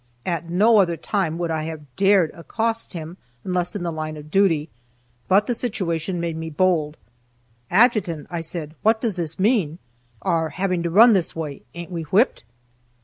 At no other time would I have dared accost him unless in the line of duty, but the situation made me bold. "Adjutant," I said, "What does this mean our having to run this way? Ain't we whipped?"